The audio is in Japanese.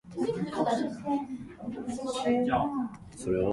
今、データの不足に貢献できるのは、あなたしかいない。